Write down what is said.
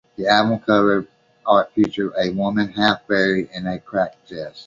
The album's cover art features a woman half buried on a cracked desert.